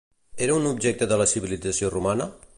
Era un objecte de la civilització romana?